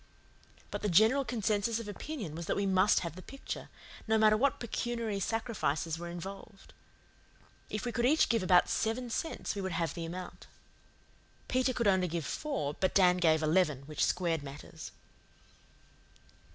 But the general consensus of opinion was that we must have the picture, no matter what pecuniary sacrifices were involved. If we could each give about seven cents we would have the amount. Peter could only give four, but Dan gave eleven, which squared matters.